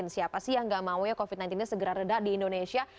siapa sih yang enggak mau ya covid sembilan belas nya segera redah di indonesia